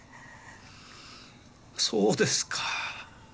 そうですか。